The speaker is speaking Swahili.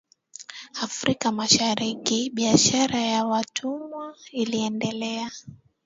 Afrika Mashariki biashara ya watumwa iliendelea